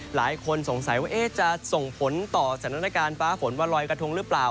หลายคนสงสัยว่าจะส่งผลต่อสถานการณ์ฟ้าฝนว่าลอยกระทงหรือเปล่า